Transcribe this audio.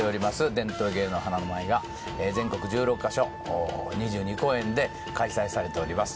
「伝統芸能華の舞」が全国１６カ所２２公演で開催されております